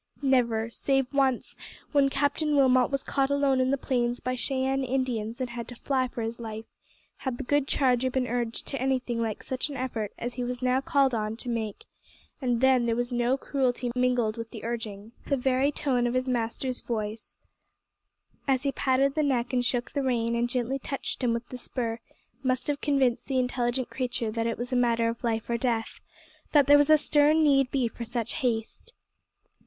Never, save once when Captain Wilmot was caught alone in the plains by Cheyenne Indians and had to fly for his life had the good charger been urged to anything like such an effort as he was now called on to make, and then there was no cruelty mingled with the urging. The very tone of his master's voice, as he patted the neck and shook the rein and gently touched him with the spur, must have convinced the intelligent creature that it was a matter of life or death that there was a stern need be for such haste.